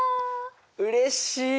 うれしい！